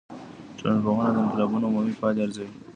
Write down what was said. ټولنپوه د انقلابونو عمومي پایلي ارزوي.